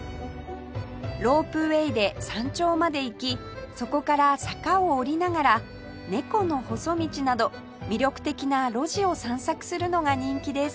ロープウェーで山頂まで行きそこから坂を下りながら「猫の細道」など魅力的な路地を散策するのが人気です